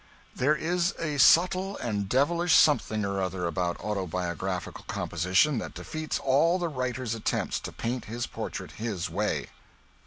"There is a subtle devilish something or other about autobiographical composition that defeats all the writer's attempts to paint his portrait his way."